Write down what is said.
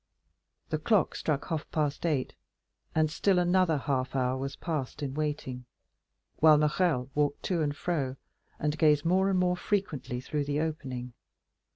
The clock struck half past eight, and still another half hour was passed in waiting, while Morrel walked to and fro, and gazed more and more frequently through the opening.